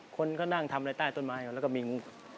คนก็นั่งทำอะไรใต้ต้นไม้อยู่แล้วก็มีงู